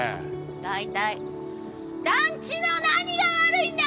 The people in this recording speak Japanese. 大体団地の何が悪いんだ！